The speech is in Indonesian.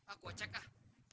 aku cek lah